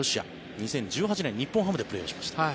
２０１８年日本ハムでプレーしました。